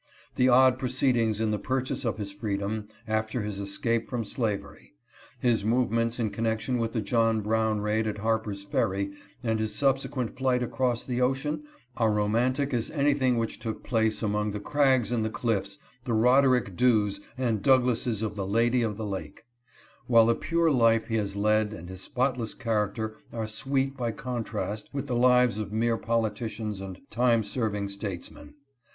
• The odd proceedings in the purchase of his freedom after his escape from slavery ; his movements in connection with the John Brown raid at Harper's Ferry and his subsequent flight across the ocean are romantic as anything which took place among the crags and the cliffs, the Roderick Dhus and Douglasses of the Lady of the Lake ; while the pure life he has led and his spotless character are sweet by contrast INTRODUCTION. 10 with the lives of mere politicians and time serving statesmen.